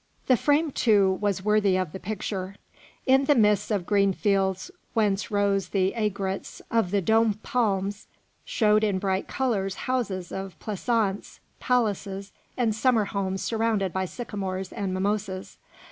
The frame, too, was worthy of the picture. In the midst of green fields whence rose the aigrettes of the dôm palms, showed in bright colours houses of pleasaunce, palaces, and summer homes surrounded by sycamores and mimosas.